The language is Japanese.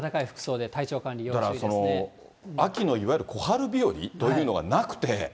だから、秋のいわゆる小春日和というのがなくて。